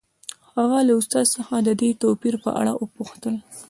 هغه له استاد څخه د دې توپیر په اړه وپوښتل